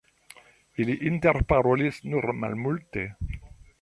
Ili interparolis nur malmulte.